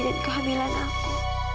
dan kehamilan aku